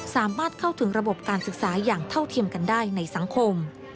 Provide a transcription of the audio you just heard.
สามารถเข้าถึงระบบการศึกษาอย่างเท่าเทียมกันได้ในสังคม